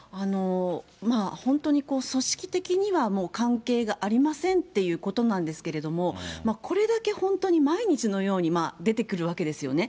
まあ、本当に組織的には関係がありませんということなんですけれども、これだけ本当に毎日のように出てくるわけですよね。